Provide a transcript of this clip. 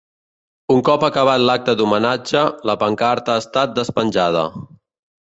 Un cop acabat l’acte d’homenatge, la pancarta ha estat despenjada.